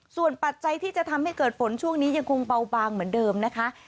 ส่วนปัจจัยที่จะทำให้เกิดฝนช่วงนี้ยังคงเบาบางเหมือนเดิมนะคะ